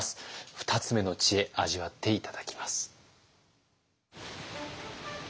２つ目の知恵味わって頂きます。